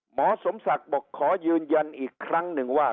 หมอสมศักดิ์บอกขอยืนยันอีกครั้งหนึ่งว่า